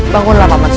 bangunlah pak man semua